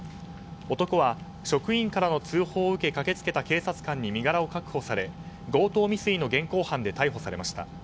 男は、職員からの通報を受け駆けつけた警察官に身柄を確保され強盗未遂の現行犯で逮捕されました。